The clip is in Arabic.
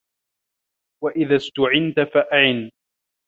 وَإِذَا اُسْتُعِنْتَ فَأَعِنْ